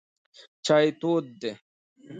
چای تود دی.